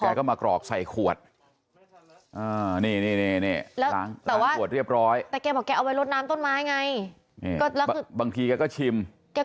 หมอปลาอย่างนี้เหรอคะ